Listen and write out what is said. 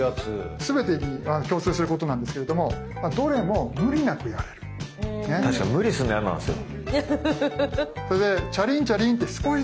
すべてに共通することなんですけれども確かに無理するの嫌なんですよ。